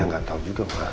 ya nggak tahu juga ma